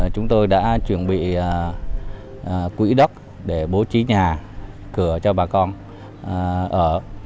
chúng tôi đã chuẩn bị quỹ đất để bố trí nhà cửa cho bà con ở